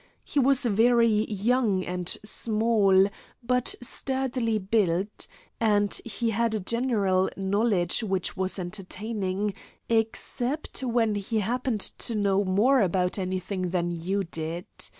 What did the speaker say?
He was very young and small, but sturdily built, and he had a general knowledge which was entertaining, except when he happened to know more about anything than you did.